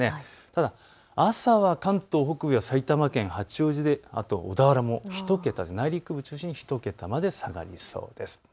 ただ朝は関東北部や埼玉県、八王子であと小田原も１桁、内陸部を中心に１桁まで下がりそうです。